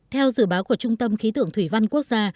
theo dự báo của trung tâm khí tượng thủy văn quốc gia